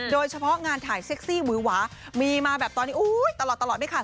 โดยเฉพาะงานถ่ายเซ็กซี่หือหวามีมาแบบตอนนี้ตลอดไม่ขาด